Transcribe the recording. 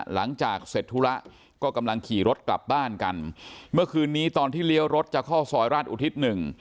หลังจากเสร็จธุระก็กำลังขี่รถกลับบ้านกันเมื่อคืนนี้ตอนที่เลี้ยวรถจะเข้าซอยราชอุทิศหนึ่ง